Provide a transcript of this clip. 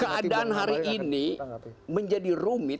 keadaan hari ini menjadi rumit